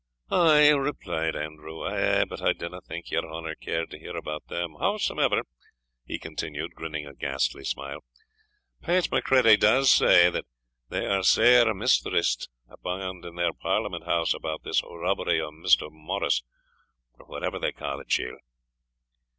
"Ay," replied Andrew; "but I dinna think your honour cared to hear about them Howsoever" (he continued, grinning a ghastly smile), "Pate Macready does say, that they are sair mistrysted yonder in their Parliament House about this rubbery o' Mr. Morris, or whatever they ca' the chiel."